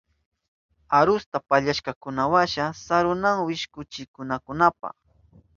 Arusta pallashkankunawasha sarunahun wishkuchinankunapa.